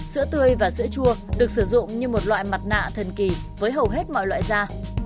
sữa tươi và sữa chua được sử dụng như một loại mặt nạ thần kỳ với hầu hết mọi loại da